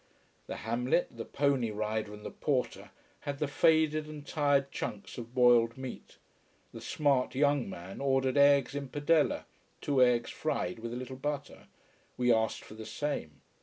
The Hamlet, the pony rider, and the porter had the faded and tired chunks of boiled meat. The smart young man ordered eggs in padella two eggs fried with a little butter. We asked for the same.